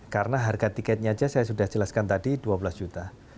karena harga tiketnya saja saya sudah jelaskan tadi dua belas juta